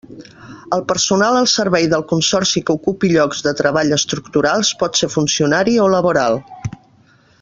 El personal al servei del Consorci que ocupi llocs de treball estructurals pot ser funcionari o laboral.